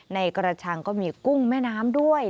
ในกระชังก็มีกุ้งแม่น้ำด้วย